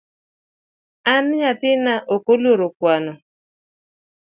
An nyathina ok oluoro kwano